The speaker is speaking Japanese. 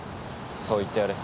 そう言ってやれ。